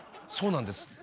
そうなんです。